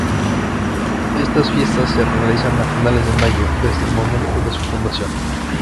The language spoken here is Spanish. Estas fiestas se realizan a finales de mayo, desde el momento de su fundación.